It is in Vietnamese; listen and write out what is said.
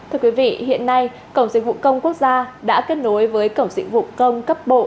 thưa quý vị hiện nay cổng dịch vụ công quốc gia đã kết nối với cổng dịch vụ công cấp bộ